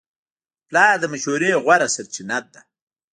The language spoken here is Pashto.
پلار د مشورې غوره سرچینه ده.